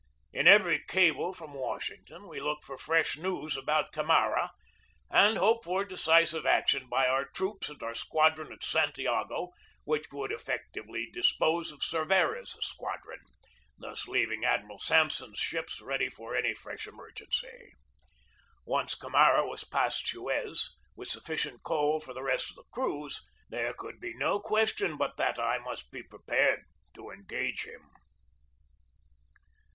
In every cable from Washington we looked for fresh news about Camara and hoped for decisive action by our troops and our squadron at Santiago which would effectually dispose of Cervera's squadron, thus leaving Admiral Samp son's ships ready for any fresh emergency. Once Camara was past Suez, with sufficient coal for the 260 GEORGE DEWEY rest of the cruise, there could be no question but that I must be prepared to engage him.